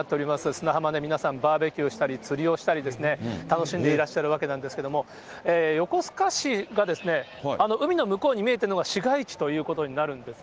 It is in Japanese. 砂浜で皆さんバーベキューをしたり、釣りをしたりですね、楽しんでいらっしゃるわけなんですけれども、横須賀市が、海の向こうに見えてるのが市街地ということになるんです。